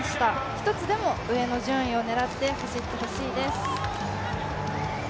１つでも上の順位を狙って走ってほしいです。